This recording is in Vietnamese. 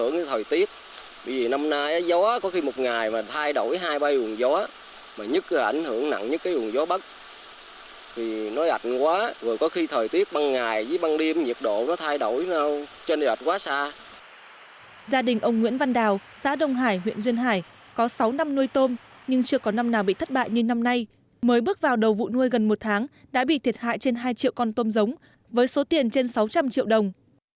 gia đình ông nguyễn văn đào xã đông hải huyện duyên hải có sáu năm nuôi tôm nhưng chưa có năm nào bị thất bại như năm nay mới bước vào đầu vụ nuôi gần một tháng đã bị thiệt hại trên hai triệu con tôm giống với số tiền trên sáu trăm linh triệu đồng